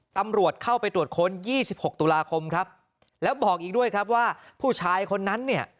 ตำรวจเข้าไปตรวจค้นยี่สิบหกตุลาคมครับแล้วบอกอีกด้วยครับว่าผู้ชายคนนั้นเนี่ย